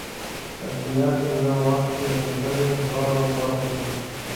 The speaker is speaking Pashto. ادبیات په یو وخت کې د همدې دواړو برخو دي.